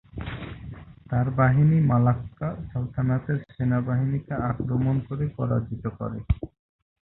তার বাহিনী মালাক্কা সালতানাতের সেনাবাহিনীকে আক্রমণ করে পরাজিত করে।